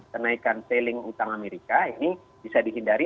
kenaikan seiling utang amerika ini bisa dihindari